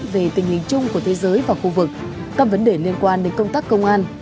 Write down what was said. về tình hình chung của thế giới và khu vực các vấn đề liên quan đến công tác công an